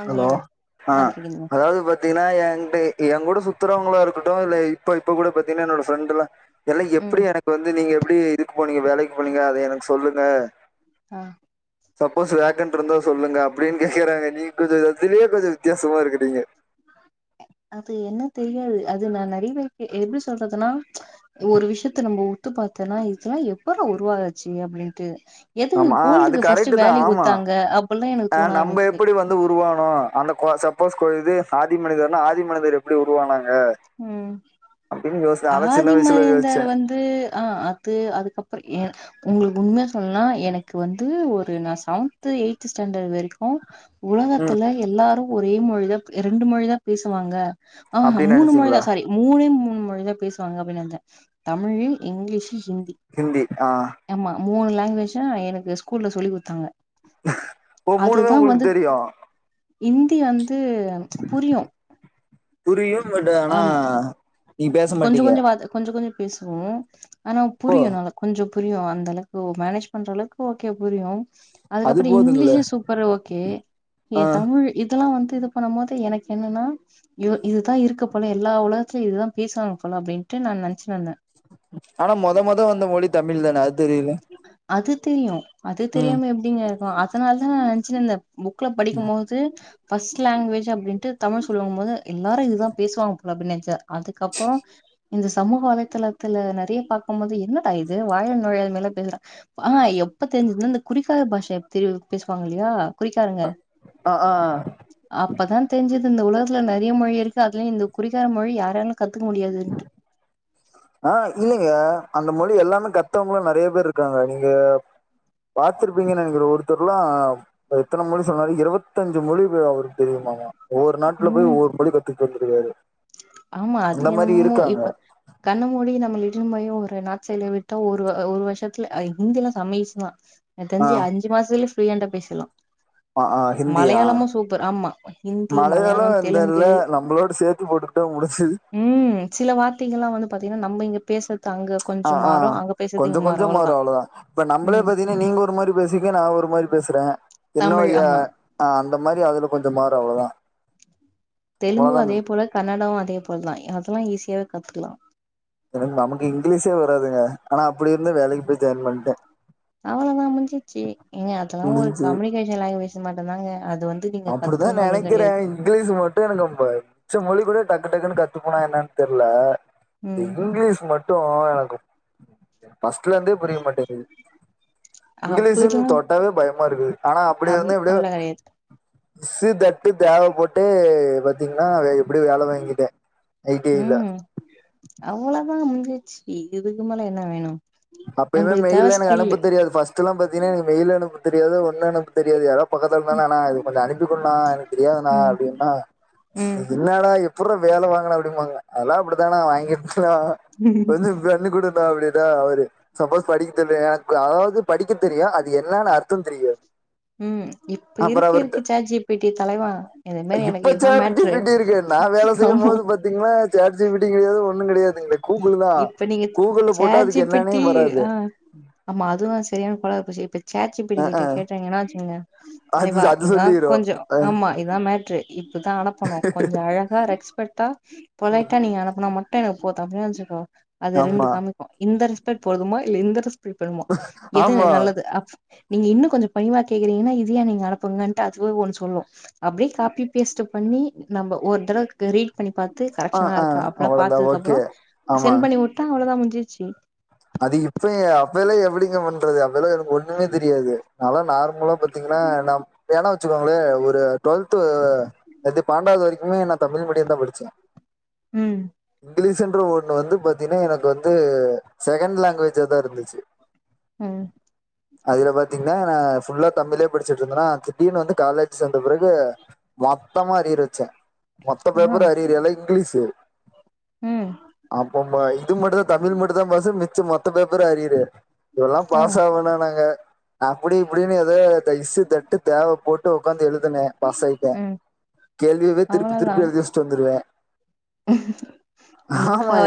ஆ hello சொல்லுங்க ஆ அதாவது பாத்தீங்கன்னா என்டு ஏ கூட சுத்துறவுங் ங்கள இருக்கட்டோ இல்ல இப்ப இப்ப கூட பாத்தீங்கன்னா என்னோட ஃப்ரெண்டுல்லா எல்லா ம் எப்டி எனக்கு வந்து நீங்க எப்டி இதுக்கு போனீங்க வேலைக்கு போனீங்க அத எனக்கு சொல்லுங்க ஆ சப்போஸ் வேகண்ட்ருந்தா சொல்லுங்க அப்டீன்னு கேக்குறாங்க நீ கொஞ்சோ அதுலயே கொஞ்சோ வித்தியாசமா இருக்கிறீங்க அது என்ன தெரியாது அது நா நறயபேருக்கு எப்டி சொல்றதுன்னா ஒரு விஷயத்த நம்ம உத்து பாத்தோம்னா இதெல்லா எப்புறா ஒருவாரோச்சு அப்டின்ட்டு எதுக்கு ஆமா அது கோல்டுக்குஃ கரெக்ட் பர்ஸ்ட்டு தா வேல்யூ ஆமா குத்தாங்க அப்புட்ல்லா எனக்கு ஆ தோண நம்ம ஆரம்பிக்குது எப்டி வந்து உருவானோ அந்த கொழ சப்போஸ் கொ இது ஆதி மனிதர்னா ஆதி மனிதர் எப்டி உருவானங் ம் அதெல்லா சின்ன ஆதி வயசுல மனிதர் யோசிச்சே வந்து ஆ அது அதுக்கப்புறோ எ உங்குளுக்கு உண்ம சொன்னா எனக்கு வந்து ஒரு நா செவன்த் எய்த ஸ்டாண்டர்ட் வெரிக்கோ ம் உலகத்துல எல்லாரு ஒரே மொழி தா ரெண்டு மொழி தா பேசுவாங்க ஆஹா அப்டின்னு மூணு நெனைச்சீங்களா மொழிதா சாரி மூணே மூணு மொழி தா பேசுவாங்க அப்டின்னு நெனச்சே தமிழு இங்கிலீஷ் ஹிந்தி ஆமா மூணு லாங்குவேஜ்தா எனக்கு ஸ்கூல்ல சொல்லி குத்தாங்க ஓ மூணுமே உங்குளுக்கு தெரியோ இந்தி வந்து புரியு புரியு பட் ஆனா நீங்க பேச கொஞ்சோ மாட்டீங்க கொஞ்சொ வார்த்த கொஞ்சோ கொஞ்சோ பேசுவோ ஆனா ஓ புரியு நல்லா கொஞ்சோ புரியு அந்தளவுக்கு ஓ மேனேஜ் பண்ற அளவுக்கு ஓகே புரியு அது அதுக்கப்புறோ போதுங்களே இங்கிலீஷு சூப்பரு ஓகே ஆ தமிழ் இதெல்லா வந்து இது பண்ணும் போது எனக்கு என்னன்னா இதுதா இருக்கு போல எல்லா ஒலகத்துலயு இதுதா பேசுவாங்க போல அப்படின்ட்டு நா நெனச்சுட்டுர்ந்தே ஆனா மொத மொத வந்த மொழி தமில் தானே தெரியல அது தெரியு அது ம் தெரியாம எப்படிங்க இருக்கு அதனால தா நா நெனச்சுட்டுர்ந்த புக்ல படிக்கும்போது ஃபர்ஸ்ட் லாங்கேஜ் அப்டின்ட்டு தமிழ் சொல்லும்போது எல்லாரு இததா பேசுவாங்க போல அப்பீன்னு நென்ச்ச அதுக்கப்புறோ இந்த சமூக வலைதளத்துல நறைய பாக்கும்போது என்னடா இது வாயில நுழையாத மாரிலா இந்த இதுதா ஆ எப்ப தெரிஞ்சதுன்னா இந்த குறிக்காற பாஷ தே பேசுவாங்க இல்லையா குறிக்காருங்க ஆ ஆ அப்பதா தெரிஞ்சிது இந்த உலகத்துல நறைய மொழி இருக்கு அதுலையு இந்த குறிகார மொழி யாராலையு கத்துக்க முடியாதுன்ட்டு ஆ இல்லைங்க அந்த மொழி எல்லாமே கத்தவங்களு நறைய பேர் இருக்காங்க நீங்க பாத்திருப்பீங்கன்னு நெனைக்கிறே ஒருத்தர்லா எத்தன மொழி சொன்னாறு இருவத்தஞ்சு மொழி அவருக்கு தெரியுமாமா ஒவ்வொரு நாட்டுல போயி ம் ஒவ்வொரு மொழி கத்துட்டு வந்திருகாரு ஆமா அது என்னமோ இப்ப கண்ண மூடி நம்மல இட்னு போயி ஒரு நார்த் சைட்லே விட்டா ஒரு அ ஒரு வருஷத்துல இந்தி எல்லா செம ஈசி தா என ஆ தெரிஞ்சி அஞ்சு மாசத்லயே ஃபுளுயன்டா பேசிட்லா ஆ ஆ ஹிந்தியா மலையாளமும் சூப்பர் ஆமா இந்தி மலையாளம் இந்த இல்ல தெலுங்கு நம்மளோட சேத்து போட்டுக்கிட்டா முடிஞ்சுது ம் சில வார்த்தைகள்லாம் வந்து பாத்தீங்கன்னா நம்ம இங்க பேசுறது அங்க ஆ கொஞ்சம் ஆ மாரோ அங்க போய் கொஞ்ச கொஞ்சம் மாரு அவ்ளோதா இப்ப நம்பளே பாத்தீங்கன்னா நீங்க ஒரு மாரி பேசுவிங்க நா ஒரு மாரி பேசுறே தமிழ் என்னுடைய ஆமா. அ அந்த மாரி அதுல கொஞ்சோ மாரோ அவ்ளோதா தெலுங்கு அவ்ளோதா அதே போல கன்னடாவு அதே போலதா அதெல்லா ஈஸியாவே கத்துக்கலா எனக் நமக்கு இங்கிலீஷே வராதுங்க ஆனா அப்டி இருந்து வேலைக்கு போய் ஜாயின் பண்டே அவ்ளோதா முஞ்சிச்சி எங்க அதெல்லா ஒரு முடிஞ்சு கம்யூனிகேஷன் லாங்குவேஜ் மட்டு தாங்க அது வந் அப்டிதா நெனைக்கிறே இங்கிலீஷ் மட்டு எனக்கு நம்ப மிச்ச மொழி கூட டக்கு டக்குன்னு கத் கத்துப்பனா என்னான்னு தெர்ல ம். இங்கிலீஷ் மட்டு எனக்கு ஃபஸ்ட்ல இருந்தே புரிய மாட்டேங்கிது இங்கிலீஷ்னு அப்படிலாம் தோட்டாவே பயமா இருக்குது ஆனா அப்டி அம் இருந்தும் எப்டியோ அவ்வளோ கிடையாது. சி தட் இட் தவே போட்டு பாத்தீங்கன்னா எப்டியு வேல வாங்கிட்டே ஐ டி ல அவுங்கெல்லாம் வந்துட்சி இதுக்கு மேல என்ன வேணும் அப்பல்லா நம்மளுக்கு தேவ மெயில் எனக்கு ஸ்கில்லு. அனுப்ப தெரியாது ஃபர்ஸ்ட்லாம் பாத்தீங்கன்னா எனக்கு மெயில் அனுப்ப தெரியாது ஒன்னு அனுப்ப தெரியாது யாரா பக்கத்துல இருந்தாங்னா அண்ணா இது கொஞ்சோ அனுப்பிக்குடுணா எனக்கு தெரியாதுண்ணா ம். அப்டின்னா ம். என்னடா இப் எப்புட்றா வேல வாங்குன அப்டின்பாங்க அதெல்லா அப்டித்தாண்ணா நா வாங்கிட்டே வந்து பண்ணி குடு தா அப்டிதா அவரு சப்போஸ் படிக்க தெர்லேனா க அதாவது படிக்க தெரியு அது என்னான்னு அர்த்தம் தெரியாது ம் இப்ப அப்புறோ இருக்கு அவர்ட்ட இருக்கு சேட் ஜி பீ டி தலைவா இது மாரி எனக்கு இதுதா மேட்ரு நா வேல செய்யும் ஆமா போது பாத்தீங்கன்னா சேட் ஜி பீ டி யு கெடையாது ஒன்னு ஒன்னு கெடையாதுங்களே கூகுள் தா இப்ப கூகுள்ல போட்டா அதுக்கு என்னானே வர் அ ஆமா அதுவு செரியானா கொலாபுரி இப்ப சைட் ஜி பி டி அஹ் கிட்ட அஹ் கேட்டிங்கனா வெச்சிகங்க அது தலைவா அது இதான் சொல்லிரும் கொஞ்சோ அஹ் ஆமா இதான் மேட்ரு இப் இதுதா அனப்பனு கொஞ்சோ அழகா ரெஸ்பெக்டா பொலைட்டா நீ அனுப்பனா மட்டு எனக்கு போதோ அப்டின்னா வெச்சிக்கோ அது ரெண்டு ஆமா காமிக்கு இந்த ரெஸ்பெக்ட் போதுமா இல்ல இந்த ரெஸ்பெக்ட் போதுமா எது ஆமா நல்லது அப் நீங்க இன்னு கொஞ்சோ பணிவா கேக்றீங்கன்னா இதயே நீங்க அனுப்புங்கன்டு அதுவே ஒன்னு சொல்லு அப்டியே காப்பி பேஸ்ட் பண்ணி நம்ப ஒரு தடவுக்கு ரீட் பண்ணி பாத் து ஆஹ் கரெக்ஷன்லா இருக்க ஆஹ் அப்டிலா அவ்வளவுதான் பாத்ததுக்கு அப்புறோ ஓகே ஆமா சென்ட் பண்ணி உட்டா அவ்ளோதா முஞ்சிட்சி அது இப்பங்க அப்பெல்லா எப்டிங்க பண்றது அப்பெல்லா ஒன்னுமே தெரியாது நான்லா நார்மலா பாத்திங்கன்னா நா வேனா வெச்சிக்கோங்களே ஒரு டூவெல்த் த்து இது பன்னெண்டாவது வரைக்குமே நா தமிழ் மீடியம் தா படிச்சே ம் இங்கிலீஷ் இன்ற ஒன்னு வந்து பாத்தீங்னா எனக்கு வந்து செகேண்ட் லாங்வேஜா தா இருந்துச்சி ம் அதுல பாத்தீங்னா நா ஃபுல்லா தமிழே படிச்சிட்டு இருந்தேனா திடீர்னு வந்து காலேஜ் சேந்த பிறகு மொத்தமா அரியர் வெச்சே மொத்த ஆ பேப்பரு அரியரு எல்லா இங்கிலீஷ் ம் அப்பம் போயி இது மட்டு தா தமிழ் மட்டும் தா பாஸ்சு மிச்சம் மொத்த பேப்பரு அரியரு இவேலா ஆ பாஸ் ஆவானான்னாங்க அப்டி இப்டின்னு ஏதோ த இஸ்ஸு தட்டு தேவ போட்டு உக்காந்து எழு ன பாசாயிட்ட ம் கேள்வியவே திருப்பி அவ்ளோதா திருப்பி எழுதி வச்சிட்டு வந்துருவ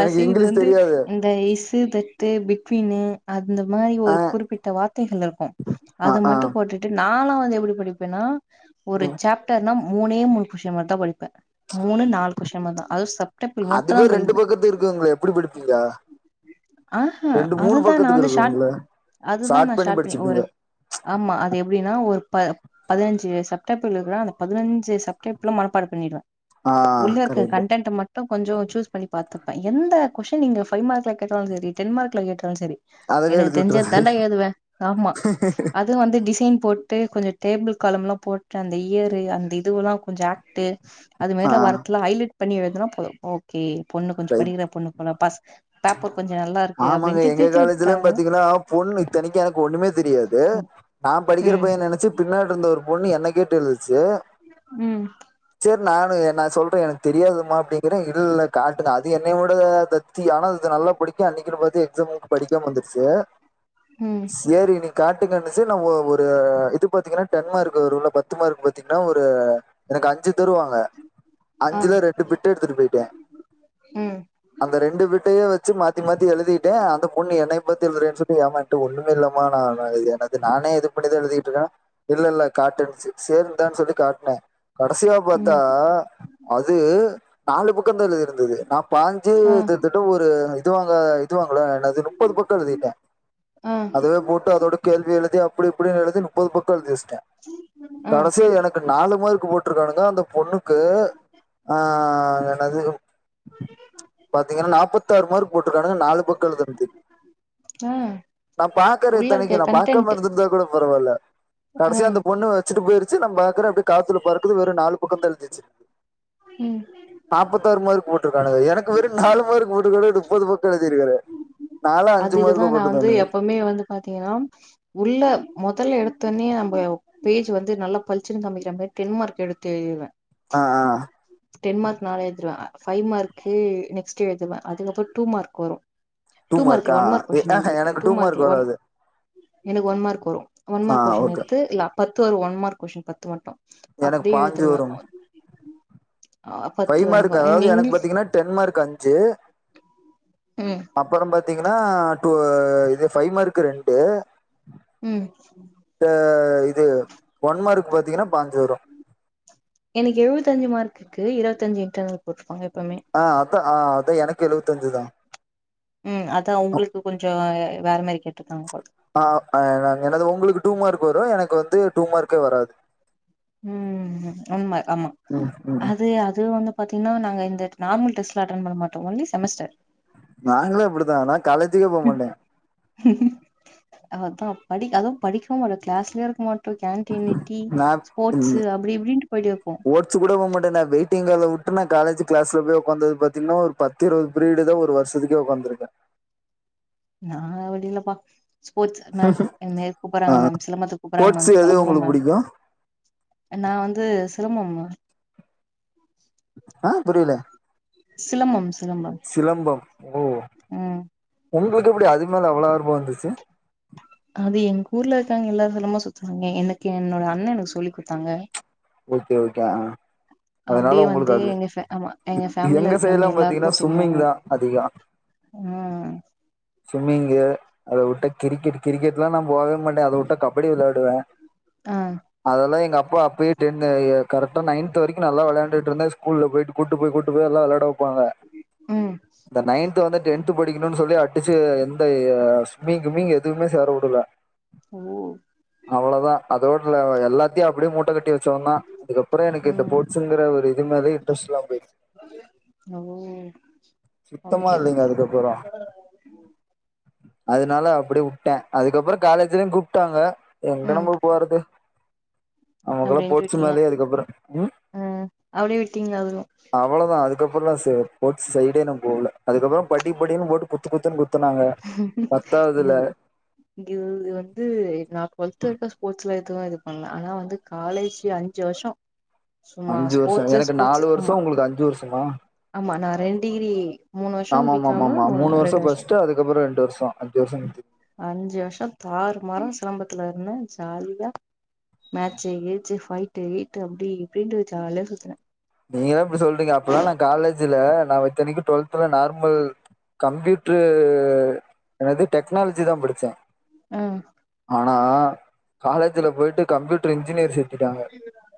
எனக்கு இது இங்கிலீஷ் வந்து தெரியாது இந்த இஸ்ஸு தட் டு பிட்வின்னு அந்த மாரி ஆ, ஒரு குறிப்பிட்ட வார்த் தைகள் இருக்கு ஆ, அத ஆ, மட்டு போட்டுட்டு நான்லா வந்து எப்டி படிப்பேன்னா ஒரு ம். சாப்ட்டர்னா மூணே மூணு கொஸ்ஸின் மட்டுந்தா படிப்ப மூணு நாலு கொஸ்ஸின் மட்டுந்தா அதுவு சப்டபிள் மட்டுந்தா அதுவே ரெண்டு படிப்பே பக்கத்துக் இருக்குங்களே எப்டி படிப்பீங்க ஆஹ ரெண்டு மூணு அதுதா நா பக்கத்துக்கு வந்து ஷார்ட் இருக்குங்களே அதுதா நா ஷார்ட் பண்ணி ஒரு ஆமா அது எப்டின்னா ஒரு ப பதினஞ்சு சப்டைப்பில் இருக்குன்னா அந்த பதினஞ்சு சப்டைப்பிலு மனப்பாட பண்ணிடுவ ஆ உள்ள இருக்க கரெக்ட் கண்டென்ட்ட மட்டு கொஞ்ச சூஸ் பண்ணி பாத்துப்ப எந்த கொஸ்ஸின் நீங்க ஃபைவ் மார்க்ல கேட்டாலு செரி டென்மார்க்ல கேட்டாலும் செரி அதவே எனக்கு எழுதி தெரிஞ்சத விட்டுறது தாண்டா எழுதுவ ஆமா அதுவு வந்து டிசைன் போட்டு கொஞ்ச டேபிள் காலம்லா போட்டு அந்த இயரு அந்த இதுவெல்லா கொஞ்ச ஆக்ட்டு அது ஆ மாரில்லா ஒர்க்லா ஹைலைட் பண்ணி எழுதுனா போது ஓகே பொண்ணு கொஞ்ச ரைட் படிக்கிற பொண்ணு போல பாஸ் பேப்பர் கொஞ்ச நல் ஆமாங்க எங்க காலேஜ்லா பாத்தீங்கன்னா பொண்ணு இத்தனைக்கு எனக்கு ஒன்னுமே தெரியாது ம் நா படிக்கிற ம் பையனு நெனைச்சி பின்னாடி இருந்த ஒரு பொண்ணு என்ன கேட்டு எழுதுச்சி ம் க்கரு நானு நா சொல்ற எனக்கு தெரியாதும்மா அப்டிங்கிற இல்லல்ல காட் ங்க அது என்னையோட தத்தி ஆனா அது நல்லா படிக்கு அன்னைக்குன்னு பாத்து எக்ஸாமுக்கு படிக்காம வந்துருச்சி ம் சேரி நீ காட்டுங்கண்ணுச்சி நா ஒ ஒரு இது பாத்தீங்கன்னா டென் மார்க்கு வருல்ல பத்து மார்க் பாத்தீங்கன்னா ஒரு எனக்கு அஞ்சு தருவாங்க ஆ அஞ்சுல ரெண்டு பிட்டு எடுத்துட்டு போயிட்ட ம் அந்த ரெண்டு பிட்டு அதுவே வச்சு மாத்தி மாத்தி எழுதிட்டே அந்த பொண்ணு என்னைய பாத்து எழுதுறேன்னு சொல்லி ஏமாட்டு ஒன்னுமே இல்ல மா நா எனது நானே எது பண்ணிதா எழுதிட்ருக்க இல்லல்ல காட்டுன்னுச்சி சேரி இந்தானு சொல்லி காட்னே கடைசியா பாத்தா ம் அது நாலு பக்கந்தான் எழுதிரு ந்தது நா பாஞ்சு ஆ தித்தத்தட்ட ஒரு இது வாங்க இதுவு போல என்னது முப்பது பக்க எழுதிட்ட ஆ அதுவே போட்டு அதோட கேள்வி எழுதி அப்டி இப்டினு எழுதி முப் முப்பது பக்க எழுதி வச்சிட்ட ஆ கடைசியா எனக்கு நாலு மார்க்கு போட்ருக்கானுங்க அந்த பொண்ணுக்கு ஆ என்னது போட்ருக்கானுங்க நாலு பக்க எழுதுனதுக் ஆ நா பாக்கற உள்ள இருக்க இத்தனைக்கு நா பாக்காம கன்டென்ட் இருந்துருந்தா கூட பரவாயில்ல ஆ கடைசியா அந்த பொண்ணு வச்சிட்டு போயிருச்சி நா பாக்குற அப்யேடி காத்துல பறக்குது வெறு நாலு பக்கந்தா எழுதி வச்சிருக்கு ம் நாப்பத்தாறு மார்க் போட் கானுங்க எனக்கு வெறு நாலு மார்க் போட்டு கூட முப்பது பக்க எழுதிக்கிற அதுக்குதா நா வந்து எப்போமே வந்து பாத்தீங்கன்னா உள்ள மொதல் எடத் பண்ணி நம்ப பேஜ் வந்து நல்லா பளிச்சுன்னு காமிக்கிற மாரி டென் மார்க் எடுத்து எழுதிருவ ஆ ஆ டென் மார்க் நாலு எழுதிருவ ஃபைவ் மார்க்கு நெக்ஸ்ட் எழுதுவ அதுக்கப்புற டூ மார்க் வரு டூ மார்க் இல்ல ஒன் மார்க் கொஸ்ஸின் எங்களுக்கு டூ மார்க் இல்ல ஒன் எனக்கு ஒன் மார்க் வரு ஒன் ஆ மார்க் கொஸ்ஸின் ஓகே எத்து இல்ல பத்து வரு ஒன் மார்க் கொஸ்ஸின் பத்து மட்டு எனக்கு அப்டியே பாஞ்சு எழுதிருவ வரும் ஃபைவ் மார்க் அதாவது எனக்கு பாத்தீங்கன்னா டென் மார்க் அஞ்சி ம் அப்புறம் பாத்தீங்கன்னா டூ இது ஃபைவ் மார்க்கு ரெண்டு ம் இது ஒன் மார்க்கு பாத்தீங்கன்னா பாஞ்சி வரு எனக்கு எழுவத்தஞ்சு மார்க்குக்கு இருவத்தஞ்சு இன்டர்னல் போட்ருப்பாங்க எப்பவுமே ஆ அதா ஆ அதா எனக்கு எழுவத்தஞ்சுதா ம் அதா உங்களுக்கு கொஞ்ச வேற மாரி கேட்ருக்காங்க போல ஆ எனது உங்களுக்கு டூ மார்க் வரு எனக்கு வந்து டூ மார்க்கே வராது ம் உண்ம ஆமா ம் ம் அது அது வந்து பாத்தீங்ன்னா நாங்க இந்த நார்மல் டெஸ்ட்ல அட்டன் பண்ண மாட்டோ ஒன்லி செமஸ்டர் நாங்ளு அப்டிதா நா காலேஜ்கே போ மாட்டே அதான் படிக் அதுவும் படிக்குவு மாட்டோ க்ளாஸ்லய இருக்க மாட் டோ கேன்டீன் டீ நா ஸ்போர்ட்ஸ்சு அப்டி இப்டின்ட்டு போயிட்டேருப்போ த்த நா வெயிட்டிங்கால உட்டு நா காலேஜூ க்ளாஸ்ல போய் ஒக்காந்தது பாத்தீங்ன்னா ஒரு பத்து இருவது ப்ரீடு தா ஒரு வருஷ்ஷதுக்கே ஒக்காந் ந்துருக்க ஆ வடிலப்பா ஸ்போர்ட்ஸ் மேம் எங்னியது ஆ கூப்பறாங்க மேம் சிலம்பத்துக் கூப்பறாங்க ஸ்போர்ட்ஸ் மேம் எது கெளம்புறோம் உங்களுக்கு மேம் புடிக்கு நா வந்து சிலம்பம்மா புரியில சிலம்பம் ஸ் சிலம்பம் ஓ ம் உங்ளுக்கு எப்டி அது மேல அவ்ளா ஆர்வொ வந்துச்சு இது எங்க் ஊர்ல இருக்காங் எல்லாத்தலமு சுத்துறாங்க எனக்கு என்னோட அண்ணே எனக் சொல்லிக் குடுத்தாங்க ஓக்கே ஓக்கே அ அப்டியே வந்து எங்க ஃபே அமா எங்க பேஃமிலில சைட்லா இருக்கங்க பாத்தீங்கன்னா எல்லார்க்கு ஸ்விம்மிங் சொம்முவாங்க தா அதிகோ ஆ சும்மிங்கு அத வுட்டா கிரிக்கெட் கிரிக்கெட்லா நா போவே மாட்டே அத வுட்டா கபடி வெளாடுவ ஆ அதெல்லா எங்க அப்பா அப்பயே டுன்னு எ கரெட்டா நயன்த் வரிக்கு நல்லா வெளயாண்டுட்ருந்தே ஸ்கூல போயிட்டு கூட்டு போய் கூட்டு போய் அல்லா வெளையாடவுட் பாங்க ம் இந்த நயன்த் வந்துட் டென்த் படிக்ணுன் சொல்லி அடிச்சு எந்த இ யே ஸ் ஸ்சும்மிங் கிம்மிங் எதுவுமே சேரவுடுல ஓ அவ்வளதா அதோட லவ எல்லாத்யு அப்டியே மூட்ட கட்டி வச் சொன்னா அதுக்கப்பற எனக்கு இந்த ம் ஃபோர்ட்ஸ்ங்குற ஒரு இதுமேலேயே இன்ட்ரெஸ்ட்ல்லாம் போயிரு ஓ சுத்தமா ஓகே இல்லிங்க ஓகே அதுக்கப்புறொ அதனால அப்டியே உட் உட்ட அதுக்கப்புறொ காலேஜ்லயு கூப்டாங்க எங்க ம் நம்ம போறது நமக்குல்லா அப்டின்ட்டு போட்ச்சு விட்டீங்க மேலயே அதுக்கப்புற ம் ம் அப்டியே விட்டீங்ளா அவுரு கப்பலா சே போட்ஸ் சைடே நா போவுல அதுக்கப்புறொ படிப்படினு போட்டு குத்து குத்துன்னு குத் இது கிவ்து வந்து நா டுவெல்த் வரைக்கூ ஸ்போர்ட்ஸ்ல துவ இது பண்ல ஆனா வந்து காலேஜ்ஜி அஞ்சு வர்ஷோ சும்மா அஞ்சு வருஷோ ஸ்போர்ட்சு எனக்கு ஸ்போர்ட்சு நாலு அமா வருஷோ உங்களுக்கு அஞ்சு வருஷமா ஆமா நா ரெண்டிகிரீ மூண் வர்ஷோ ஆமா பி ஆமா ஆமா க்காமு ஆமா மூணு ரெட் வருஷோ டேஷ் ஃபர்ஸ்ட் அதுக்கப்புறோ ரெண்டு வருஷோ அஞ்சு வருஷோ குத்து. அஞ்சு வர்ஷோ தார் மாறா சிலம்பத் துலர்ந்த ஜாலியா மேச்சு கீச்சு ஃபைட்டு ஈட்டு அப்டி இப்டின்டு ஜாலியா சுத்துன நீங்களா இப்டி சொல்றீங்க அப்பல்லா நா காலேஜ்ல நா வத்தனிக்கு டுவெல்த்ல நார்மல் கம்ப்யூட்ரூ என்னது டெக்னாலஜி தா படிச்சே ம் ஆனா காலேஜ்ல போய்ட்டு கம்ப்யூட்ரு இன்ஜி இன்ஜினியர் சேத்திட்டாங்க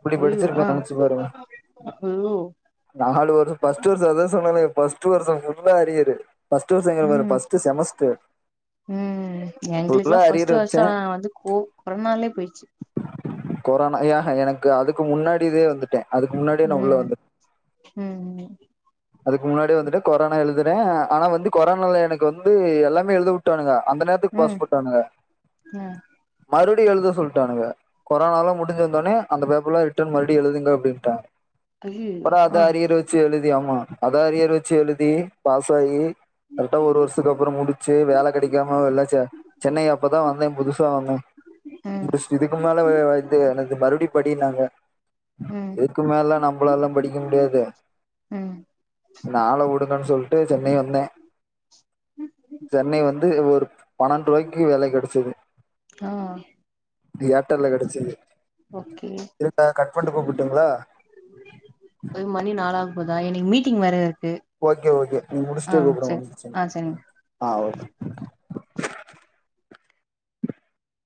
இப்டி ஐயோ ஆ படிச்சிருப்பே நெனச்சு பாருங்க ஐயோ நாலு வரு பஸ்ட்டு வருஷ் அதா சொன்னாலே பஸ்ட் வர்சொ ஃபுல்லா அரியரு ஃபஸ்ட்டு வர்சங்கிற பாரு ம் ஃபஸ்ட்டு செமஸ்ட்ரு ம் எங்ளுக்லா ஃபஸ்ட்டு வச்சே வர்ஷோ ஆ வந்து கோ கொரோனாலேயே போயிச்சி கொரோனா யா எனக்கு அதுக்கு முன்னாடிதே வந்துட்டே அதுக்கு முன்னாடியே நா உள்ள ம் வந்துட்டே ம் ம் அதுக்கு முன்னாடியே வந்துட்டு கொரோனா எழுதுறேன் ஆனா வந்து கொரோனால எனக்கு வந்து எல்லாமே எழுத வுட்டானுங்க அந்த நேரத்துக்கு ம் பாஸ் போட்டானுக ம் மறுப ப்டி எழுத சொல்ட்டானுங்க கொரோனாலல்லா முடிஞ்சந்தோனே அந்த பேப்பர்லா ரிட்டர்ன் மறுபடி எழுதுங்க அப்படின்ட்டாங்க ஐயயோ அப்புறோ அத ஆ அரியிற வச்சு எழுதி ஆமா அத அரியற வச்சு எழுதி பாசாகி கரெக்டா ஒரு வருஷத்துக்கு அப்புற முடிச்சு வேல கெடைக்காம எல்லா சென்னை அப்பதா வந்தே புதுசா வந்தே ம் முடிச்சுட்டு இதுக்கு மேல வே இது எனது மறுபடி படினாங்க ம் எதுக்கு மேல நம்மளால்லா படிக்க முடியாது ம் என்ன ஆள விடுங்கன்னு சொல்ட்டு சென்னை வந்தே சென்னை வந்து ஒரு பன்னெண்டு ரூவாய்க்கு வேல கெடைச்சது ஆ இது ஏடர்ல கெடைச்சது ஓகே இருண்டா கட்பண்டு கூப்பட்டுங்களா முதா இன்னைக்கு மீட்டிங் வேற இருக்கு ஓகே ஓகே நீங்க ஆ முடிச்டே கூப்பிடுங்க சரி ஒன்னு பிரச்சனை ஆ சரிங்க இல்ல ஆ ஓகே [inaudible]